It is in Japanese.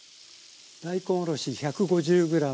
大根おろし１５０ｇ。